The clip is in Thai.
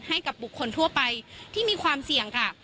ให้กับบุคคลทั่วไปที่มีความเสี่ยงค่ะ